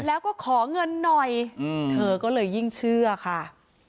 แล้วก็ขอเงินหน่อยเธอก็เลยยิ่งเชื่อค่ะ